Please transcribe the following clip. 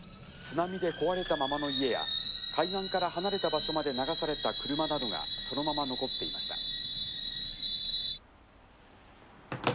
「津波で壊れたままの家や海岸から離れた場所まで流された車などがそのまま残っていました」。